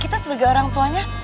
kita sebagai orang tuanya